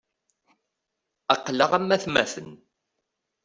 Aql-aɣ am atmaten.